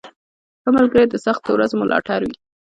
• ښه ملګری د سختو ورځو ملاتړ وي.